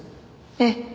ええ。